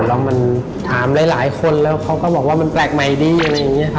แล้วถามหลายคนเขาก็บอกว่ามันแปลกใหม่ดี